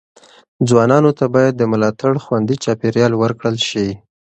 ځوانانو ته باید د ملاتړ خوندي چاپیریال ورکړل شي.